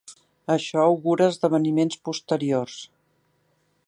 Això augura esdeveniments posteriors.